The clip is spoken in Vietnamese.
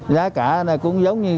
giá cả này cũng giống như